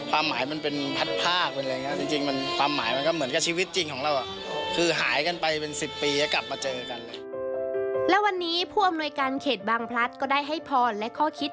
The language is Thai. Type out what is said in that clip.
วันนี้ผู้อำนวยการเขตบางพลัสก็ได้ให้พรและข้อคิด